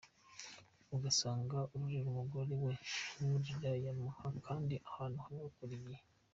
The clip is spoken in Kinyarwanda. Ugasanga arurira umugore we nk´uwurira Yamaha kandi ahantu hamwe buri gihe.